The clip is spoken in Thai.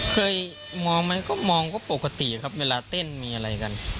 เคยมองไหมก็มองก็ปกติครับเวลาเต้นมีอะไรกัน